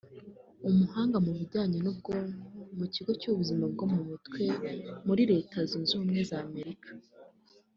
umuhanga mu bijyanye n’ubwonko mu kigo cy’ubuzima bwo mu mutwe muri Leta zunze ubumwe za Amerika